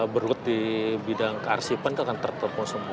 berikut di bidang kearsipan itu akan tertumpu semua